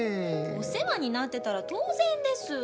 お世話になってたら当然です。